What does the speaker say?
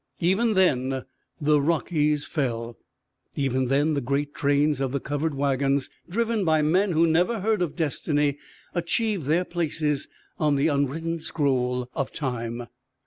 Even then the Rockies fell. Even then the great trains of the covered wagons, driven by men who never heard of Destiny, achieved their places on the unwritten scroll of Time.